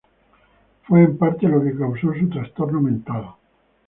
Fue, en parte, lo que causó su trastorno mental.